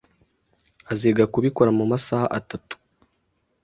Aziga kubikora mumasaha atatu.